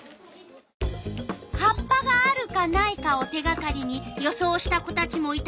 葉っぱがあるかないかを手がかりに予想した子たちもいたよ。